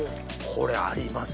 これあります？